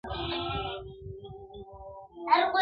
ویل ورک سه زما له مخي له درباره؛!